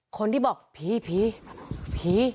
คนที่บอกผีผี